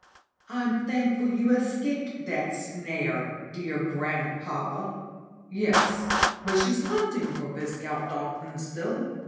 "I'm thankful you escaped that snare, dear grandpapa." "Yes, but she's hunting for Viscount Dolphin still.